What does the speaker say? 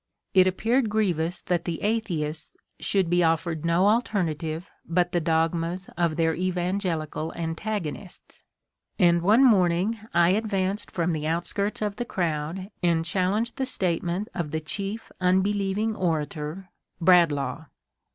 It appeared grievous that the ^* atheists " should be offered no alternative but the dogmas of their evangelical antagonists, and one morning I advanced from the outskirts of the crowd and challenged the statement of the chief unbelieving orator, Bradlaugh.